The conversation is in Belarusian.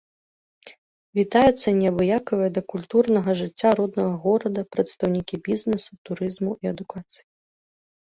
Вітаюцца неабыякавыя да культурнага жыцця роднага горада прадстаўнікі бізнэсу, турызму і адукацыі.